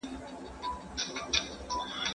اثر د مدهوشۍ راباندې ورو پۀ ورو خورېږي